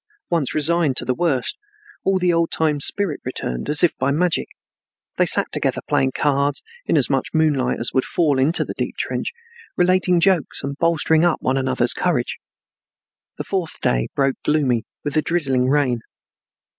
Once resigned to the worst, all the old time spirit returned, as if by magic. They sat together playing cards in as much moonlight as would fall into the deep trench, relating jokes and bolstering up one another's courage. The fourth day broke gloomy, with a drizzling rain.